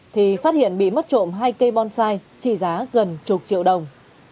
thì phát hiện bị mất trộm hai cây bonsai trị giá gần chục triệu đồng